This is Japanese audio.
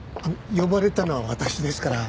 呼ばれたのは私ですから。